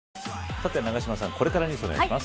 さて永島さんこれからニュースお願いします。